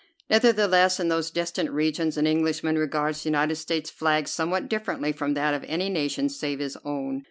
Nevertheless in those distant regions an Englishman regards the United States flag somewhat differently from that of any nation save his own.